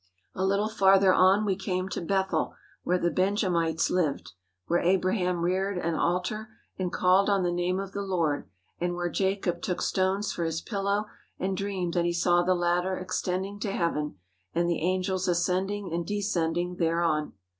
A little farther on we came to Bethel where the Benja mites lived, where Abraham reared an altar and called on the name of the Lord, and where Jacob took stones for his pillow and dreamed that he saw the ladder extending to heaven and the angels ascending and descending there on.